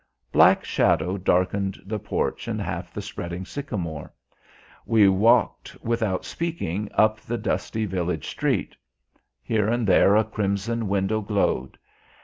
Black shadow darkened the porch and half the spreading sycamore. We walked without speaking up the dusty village street. Here and there a crimson window glowed.